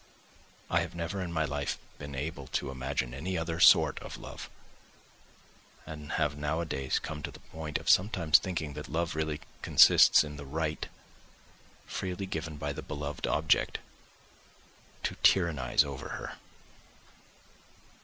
I have never in my life been able to imagine any other sort of love, and have nowadays come to the point of sometimes thinking that love really consists in the right—freely given by the beloved object—to tyrannise over her.